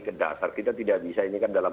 ke dasar kita tidak bisa ini kan dalam